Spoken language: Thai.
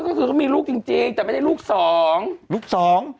ก็คือมีลูกจริงแต่ไม่ได้ลูกสอง